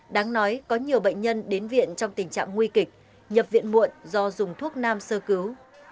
đáng nói có nhiều bệnh nhân đến viện trong tình trạng nguy kịch nhập viện muộn do dùng thuốc nam sơ cứu